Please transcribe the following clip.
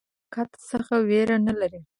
دوی له هیڅ طاقت څخه وېره نه لري.